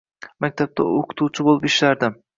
Maktabda o`qituvchi bo`lib ishlardim